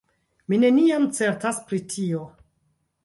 Mi neniam certas pri tio!